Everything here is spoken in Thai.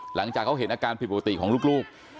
หลังจากเขาเห็นอาการผิดปกติของลูก